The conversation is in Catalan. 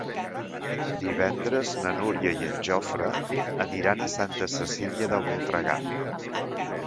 Divendres na Núria i en Jofre aniran a Santa Cecília de Voltregà.